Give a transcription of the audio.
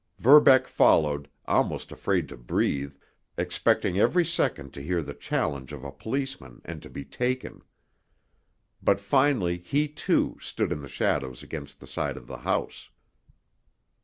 Verbeck followed, almost afraid to breathe, expecting every second to hear the challenge of a policeman and to be taken. But finally he, too, stood in the shadows against the side of the house.